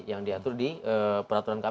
yang diatur di peraturan kpu